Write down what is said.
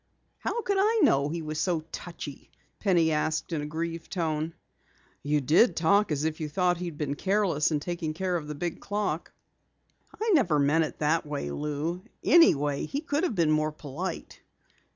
"How could I know he was so touchy?" Penny asked in a grieved tone. "You did talk as if you thought he had been careless in taking care of the big clock." "I never meant it that way, Lou. Anyway, he could have been more polite."